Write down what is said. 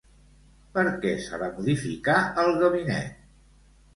Per què s'ha de modificar el gabinet?